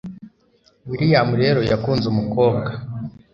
william rero yakunze umukobwa